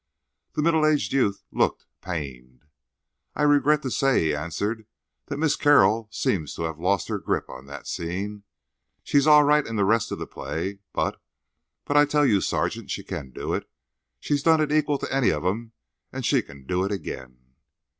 The middle aged youth looked pained. "I regret to say," he answered, "that Miss Carroll seems to have lost her grip on that scene. She's all right in the rest of the play, but—but I tell you, sergeant, she can do it—she has done it equal to any of 'em—and she can do it again."